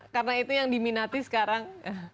karena itu yang diminati sekarang